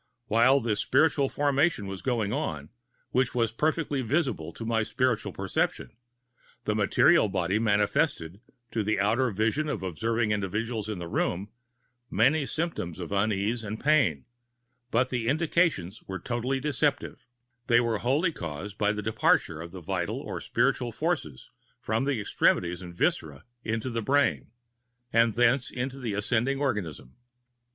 While this spiritual formation was going on, which was perfectly visible to my spiritual perceptions, the material body manifested, to the outer vision of observing individuals in the room, many symptoms of uneasiness and pain; but the indications were totally deceptive; they were wholly caused by the departure of the vital or spiritual forces from the extremities and viscera into the brain, and thence into the ascending organism.